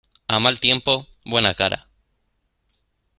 A mal tiempo, buena cara.